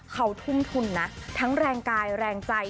เขาทุ่มทุนนะทั้งแรงกายแรงใจ